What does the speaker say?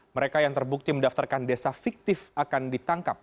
mereka yang terbukti mendaftarkan desa fiktif akan ditangkap